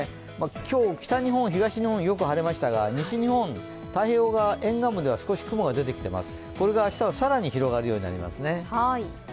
今日、北日本、東日本はよく晴れましたが、西日本、太平洋側沿岸部では少し雲が出てきています、これが明日は更に広がるようになります。